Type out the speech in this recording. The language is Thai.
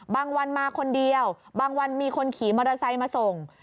วันมาคนเดียวบางวันมีคนขี่มอเตอร์ไซค์มาส่ง